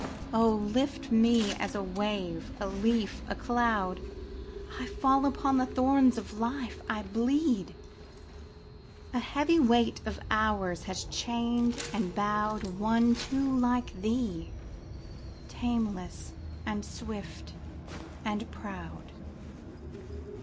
Oh, lift me as a wave, a leaf, a cloud ! I fall upon the thorns of life ! I bleed ! A heavy weight of hours has chained and bowed One too like thee : tameless, and swift, and proud.